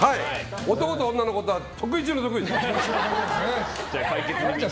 男と女のことは得意中の得意。